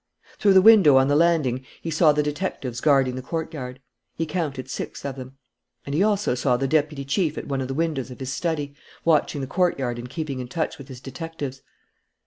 Through the window on the landing he saw the detectives guarding the courtyard. He counted six of them. And he also saw the deputy chief at one of the windows of his study, watching the courtyard and keeping in touch with his detectives.